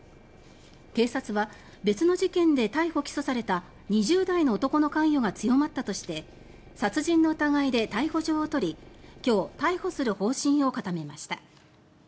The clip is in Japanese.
警察は別の事件で逮捕・起訴された２０代の男の関与が強まったとして殺人の疑いで逮捕状を取り今日、逮捕する方針を固めました。